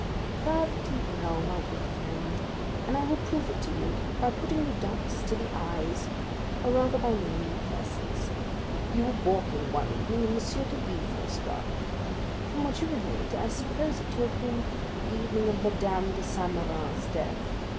"Perfectly well, my good friend; and I will prove it to you by putting the dots to the i, or rather by naming the persons. You were walking one evening in M. de Villefort's garden; from what you relate, I suppose it to have been the evening of Madame de Saint Méran's death.